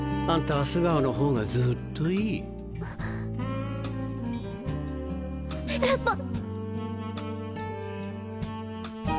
あんたは素顔のほうがずっといいフフっ。